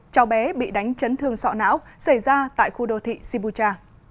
cháu bé bị đánh chấn thương sọ não xảy ra tại khu đô thị sibucha